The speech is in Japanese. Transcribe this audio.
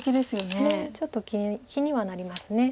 ねえちょっと気にはなります。